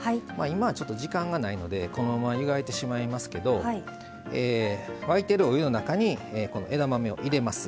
今はちょっと時間がないのでこのまま湯がいてしまいますけど沸いてるお湯の中に枝豆を入れます。